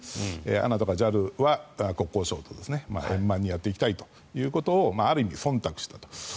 ＡＮＡとかＪＡＬは国交省と円満にやっていきたいということをある意味、そんたくしたと。